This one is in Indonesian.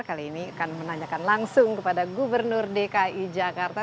kali ini akan menanyakan langsung kepada gubernur dki jakarta